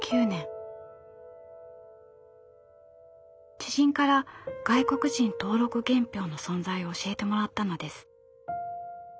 知人から外国人登録原票の存在を教えてもらったのです。